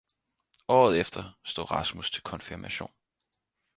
Året efter stod Rasmus til konfirmation.